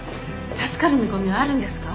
助かる見込みはあるんですか？